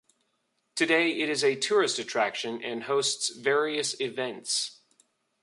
Today, it is a tourist attraction and hosts various events.